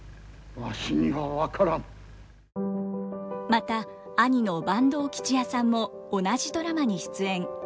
また兄の坂東吉弥さんも同じドラマに出演。